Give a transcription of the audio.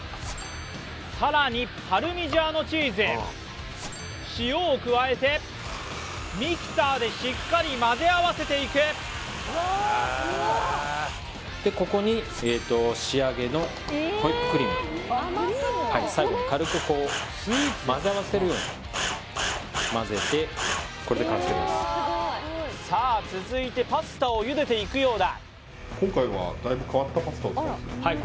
さらにパルミジャーノチーズ塩を加えてミキサーでしっかりまぜあわせていくでここに仕上げのホイップクリーム最後に軽くこれで完成ですさあ続いてパスタをゆでていくようだ